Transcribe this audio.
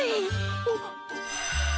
あっ。